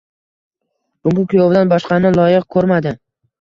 Bunga kuyovidan boshqani loyiq ko'rmadi.